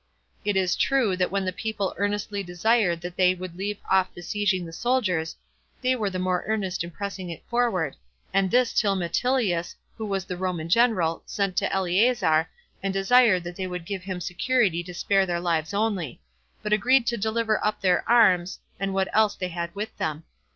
It is true, that when the people earnestly desired that they would leave off besieging the soldiers, they were the more earnest in pressing it forward, and this till Metilius, who was the Roman general, sent to Eleazar, and desired that they would give them security to spare their lives only; but agreed to deliver up their arms, and what else they had with them.